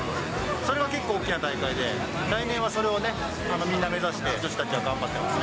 それが結構、大きな大会で、来年はそれをみんな目指して、女子たちは頑張ってますね。